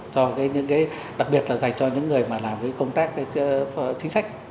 cho những cái đặc biệt là dành cho những người mà làm cái công tác chính sách